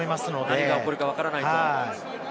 何が起きるかわからないと。